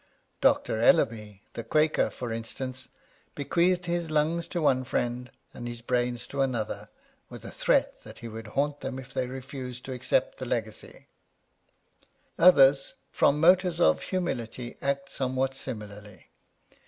Dr. Ellerby, the Quaker, for instance, bequeathed his lungs to one friend and his brains to another, with a threat that he would haunt them if they refused to 51 Curiosities of Olden Times accept the legacy. Others, from motives of humility, act somewhat similarly.